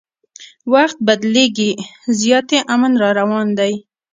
وخت بدلیږي زیاتي امن راروان دي